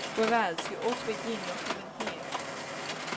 Whereas, you ought to begin your heaven here.